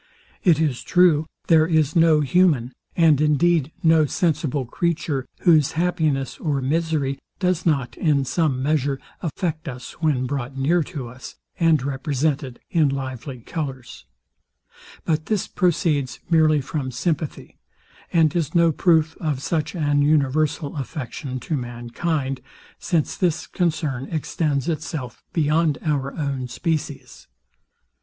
It is true, there is no human, and indeed no sensible, creature, whose happiness or misery does not, in some measure, affect us when brought near to us, and represented in lively colours: But this proceeds merely from sympathy, and is no proof of such an universal affection to mankind, since this concern extends itself beyond our own species.